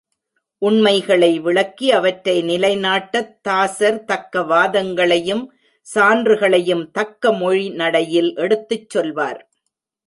உண்மைகளை விளக்கி அவற்றை நிலைநாட்டத் தாசர் தக்க வாதங்களையும் சான்றுகளையும் தக்கமொழி நடையில் எடுத்துச் சொல்வார்.